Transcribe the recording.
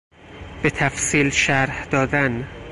به تفصیل شرح دادن